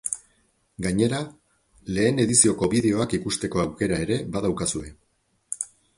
Gainera, lehen edizioko bideoak ikusteko aukera ere badaukazue.